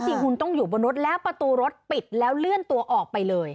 หุ่นต้องอยู่บนรถแล้วประตูรถปิดแล้วเลื่อนตัวออกไปเลย